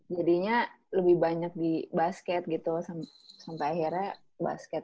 jadinya lebih banyak di basket gitu sampe akhirnya basket